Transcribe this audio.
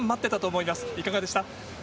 いかがでした？